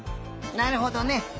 なるほどね！